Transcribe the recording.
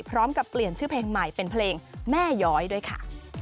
พร้อมกับเปลี่ยนชื่อเพลงใหม่เป็นเพลงแม่ย้อยด้วยค่ะ